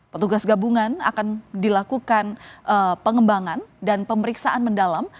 petugas gabungan akan dilakukan pengembangan dan pemeriksaan mendalam